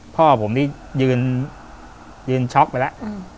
พ่อผมนี่ยืนช็อกไปแล้ว